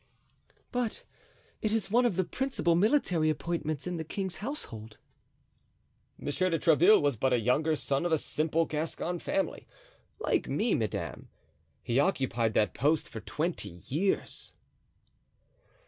"But it is one of the principal military appointments in the king's household." "Monsieur de Tréville was but a younger son of a simple Gascon family, like me, madame; he occupied that post for twenty years."